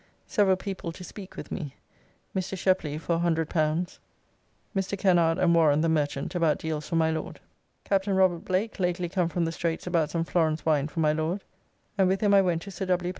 Several people to speak with me; Mr. Shepley for L100; Mr. Kennard and Warren, the merchant, about deals for my Lord. Captain Robert Blake lately come from the Straights about some Florence Wine for my Lord, and with him I went to Sir W.